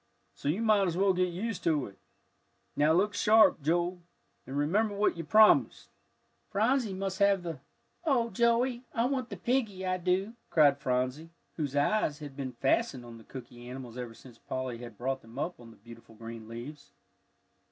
So you might as well get used to it. Now look sharp, Joe, and remember what you promised." "Phronsie must have the " "Oh, Joey, I want the piggie, I do," cried Phronsie, whose eyes had been fastened on the cooky animals ever since Polly had brought them up on the beautiful green leaves.